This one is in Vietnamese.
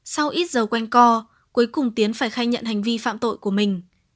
sau ít giờ quanh co cuối cùng tiến phải khai nhận hành vi phạm tội của mình